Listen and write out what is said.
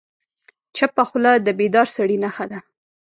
چپه خوله، د بیدار سړي نښه ده.